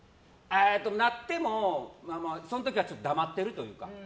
なってもその時は黙ってるというか。